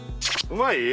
うまい！